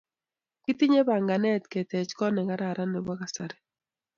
Kitinye panganet ketech kot ne kararan ne po kasari